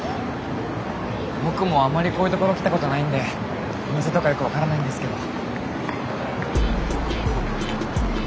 僕もあんまりこういうところ来たことないんでお店とかよく分からないんですけど。